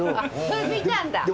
それ見たんだ？